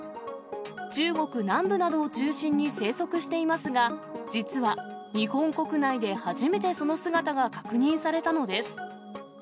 中国南部などを中心に生息していますが、実は日本国内で初めてその姿が確認されたのです。